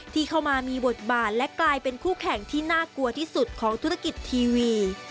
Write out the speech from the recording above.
ที่เข้ามามีบทบาทและกลายเป็นคู่แข่งที่น่ากลัวที่สุดของธุรกิจทีวี